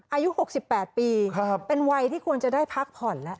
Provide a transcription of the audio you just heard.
อายุ๖๘ปีเป็นวัยที่ควรจะได้พักผ่อนแล้ว